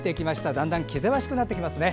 だんだん気ぜわしくなってきますね。